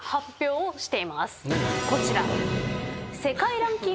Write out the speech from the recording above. こちら。